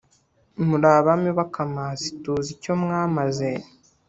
Muri Abami b’akamaziTuzi icyo mwamaze.